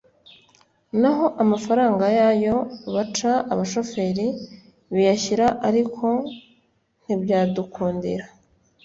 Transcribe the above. n’aho amafaranga yayo baca abashofeli biyashyira ariko ntibyadukundira